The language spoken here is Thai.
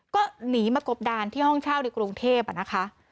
ก็หนีมากบดานที่ห้องเช่าในกรุงเทพนะคะ